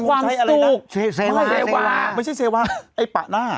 อ่าใช้ไว้บางเพียงแสวะไม่ใช่แสวะไอ้ปตหน้า